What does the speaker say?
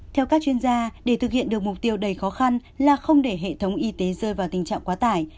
theo các chuyên gia để thực hiện được mục tiêu đầy khó khăn là không để hệ thống y tế rơi vào tình trạng quá tải